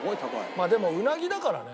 まあでもうなぎだからね。